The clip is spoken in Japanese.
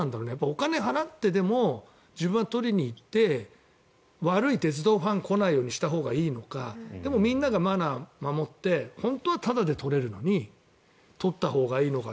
お金を払ってでも自分は撮りに行って悪い鉄道ファンが来ないようにしたほうがいいのかでもみんながマナーを守って本当はタダで撮れるのに撮ったほうがいいのか。